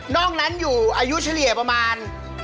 นั้นอยู่อายุเฉลี่ยประมาณ